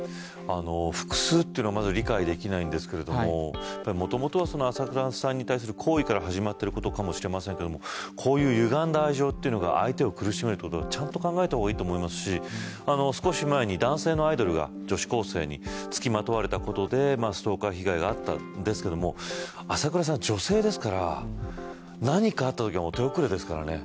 複数というのがまた理解できないんですけどもともとは浅倉さんに対する好意から始まっていることかもしれませんけどこういうゆがんだ愛情というのが相手を苦しめるというのはちゃんと考えた方がいいと思いますし少し前に男性のアイドルが女子高生につきまとわれたことでストーカー被害があったんですが浅倉さんは女性ですから何かあったときは手遅れですからね。